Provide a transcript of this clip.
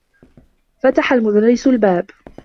فتح المدرّس الباب.